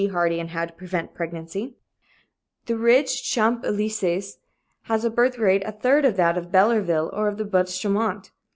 Hardy in How to Prevent Pregnancy. "The rich Champs Elysees has a birth rate a third of that Bellerville or of the Buttes Chaumont.